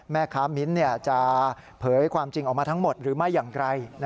แม่ค้ามิ้นจะเผยความจริงออกมาทั้งหมดหรือไม่อย่างไร